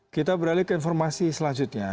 kita beralih ke informasi selanjutnya